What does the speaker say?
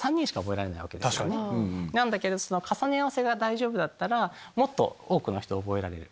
だけど重ね合わせが大丈夫ならもっと多くの人を覚えられる。